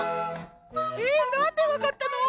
えなんでわかったの？